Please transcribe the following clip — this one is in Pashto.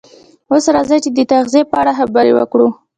اوس راځئ چې د تغذیې په اړه خبرې وکړو